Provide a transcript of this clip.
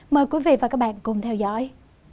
mời quý vị và các bạn cùng theo dõi